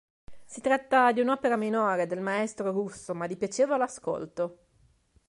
Si tratta di un'opera minore del maestro russo ma di piacevole ascolto.